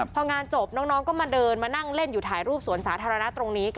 พองานจบน้องก็มาเดินมานั่งเล่นอยู่ถ่ายรูปสวนสาธารณะตรงนี้